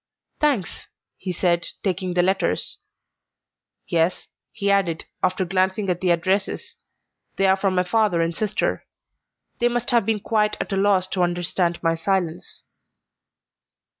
"Thanks," he said, taking the letters. "Yes," he added, after glancing at the addresses, "they are from my father and sister. They must have been quite at a loss to understand my silence."